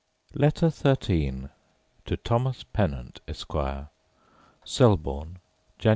Letter XIII To Thomas Pennant, Esquire Selborne, Jan.